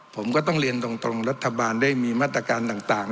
ผมก็ต้องเรียนตรงรัฐบาลได้มีมาตรการต่าง